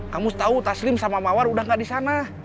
kamus tahu taslim sama mawar udah gak disana